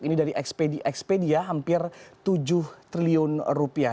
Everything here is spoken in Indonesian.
ini dari ekspedia hampir tujuh triliun rupiah